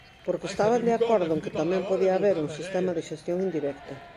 Porque estaban de acordo en que tamén podía haber un sistema de xestión indirecta.